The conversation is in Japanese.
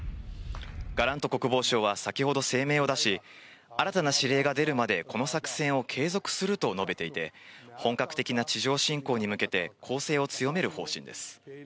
ガラント国防相は先ほど声明を出し、新たな指令が出るまでこの作戦を継続すると述べていて、本格的な地上侵攻に向けて、攻勢を強める方針です。